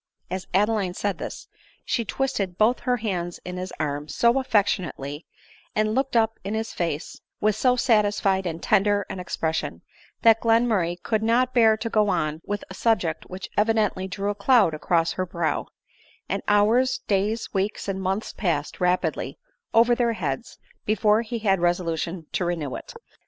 As Adeline said this, she twisted both her hands in his arm so affectionately, and looked up in his face with so satisfied and tender an ex pression, that Glenmurray could not bear to go on with a subject which evidently drew a cloud across her brow ; and hours, days, weeks, and months passed rapidly over their heads before he had resolution to renew it.